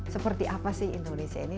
seperti apa sih indonesia ini